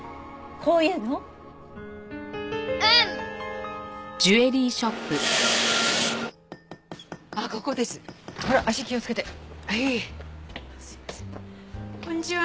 こんにちは。